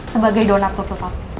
sebagai donator tetap